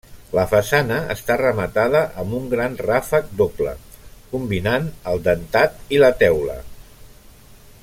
La façana està rematada amb un gran ràfec doble, combinant el dentat i la teula.